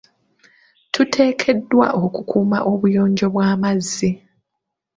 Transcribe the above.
Tuteekeddwa okukuuma obuyonjo bw'amazzi.